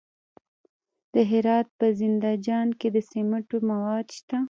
د هرات په زنده جان کې د سمنټو مواد شته.